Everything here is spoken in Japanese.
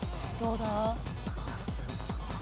どうだ？